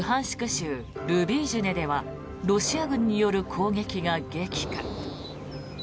州ルビージュネではロシア軍による攻撃が激化。